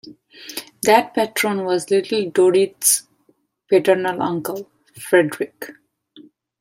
That patron was Little Dorrit's paternal uncle, Frederick.